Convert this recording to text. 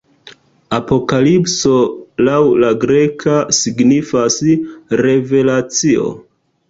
Apokalipso, laŭ la greka, signifas "Revelacio".